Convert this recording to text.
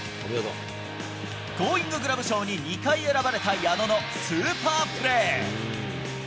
ゴーインググラブ賞に２回選ばれた矢野のスーパープレー。